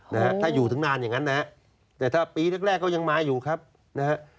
นะฮะถ้าอยู่ถึงนานอย่างงั้นนะฮะแต่ถ้าปีแรกแรกก็ยังมาอยู่ครับนะฮะ